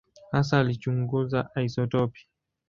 Hasa alichunguza isotopi.